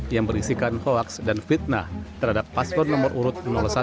yang berisikan hoaks dan fitnah terhadap paspor nomor urut satu